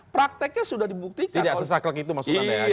prakteknya sudah dibuktikan